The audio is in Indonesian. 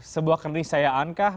sebuah kenisayaan kah